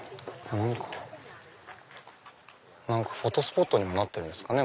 何かフォトスポットにもなってるんですかね